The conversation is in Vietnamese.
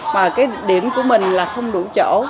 mà cái điểm của mình là không đủ chỗ